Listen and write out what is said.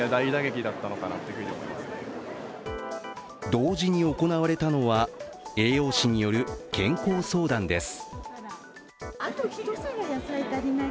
同時に行われたのは栄養士による健康相談です。